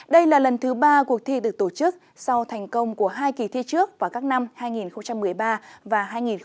đây là lần thứ ba cuộc thi được tổ chức sau thành công của hai kỳ thi trước vào các năm hai nghìn một mươi ba và hai nghìn một mươi tám